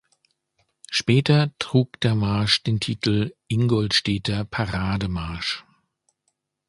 Später trug der Marsch den Titel "Ingolstädter Parademarsch".